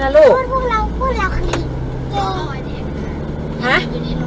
มีอะไร